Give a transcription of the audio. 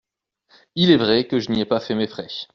Il est vrai que je n’y ai pas fait mes frais.